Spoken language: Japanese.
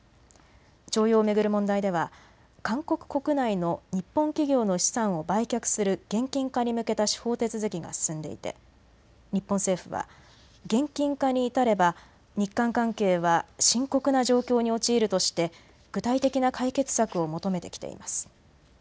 徴用を巡る問題では韓国国内の日本企業の資産を売却する現金化に向けた司法手続きが進んでいて日本政府は現金化に至れば日韓関係は深刻な状況に陥るとして具体的な解決策を求めてきています。